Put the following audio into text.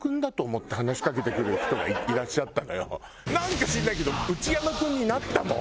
なんか知らないけど内山君になったもん。